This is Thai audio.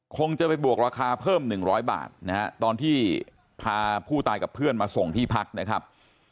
คงจะไปบวกราคาเพิ่ม๑๐๐บาทนะฮะตอนที่พาผู้ตายกับเพื่อนมาส่งที่พักนะครับ